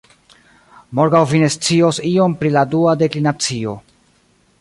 Morgaŭ vi ne scios ion pri la dua deklinacio.